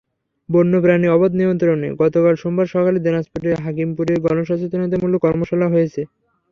বন্য প্রাণী অপরাধ নিয়ন্ত্রণে গতকাল সোমবার সকালে দিনাজপুরের হাকিমপুরে গণসচেতনতামূলক কর্মশালা হয়েছে।